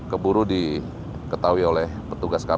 keburu diketahui oleh petugas